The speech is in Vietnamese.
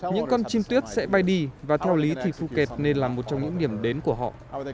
những con chim tuyết sẽ bay đi và theo lý thì phuket nên là một trong những điểm đến của họ